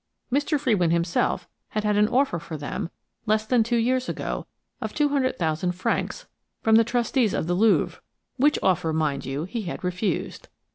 Mr. Frewin himself had had an offer for them, less than two years ago, of 200,000 francs from the trustees of the Louvre, which offer, mind you, he had refused.